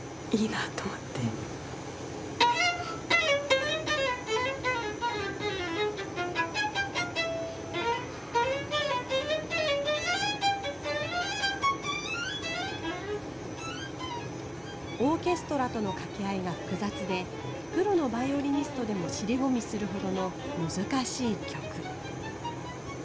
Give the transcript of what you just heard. みたいな感じの所が多いのでもうすごいオーケストラとの掛け合いが複雑でプロのバイオリニストでも尻込みするほどの難しい曲。